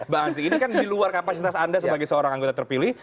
bang ansi ini kan di luar kapasitas anda sebagai seorang anggota terpilih